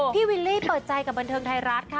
วิลลี่เปิดใจกับบันเทิงไทยรัฐค่ะ